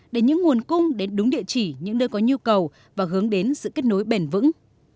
để những nguồn cung đến đúng địa chỉ những nơi có nhu cầu và hướng đến sự kết nối bền vững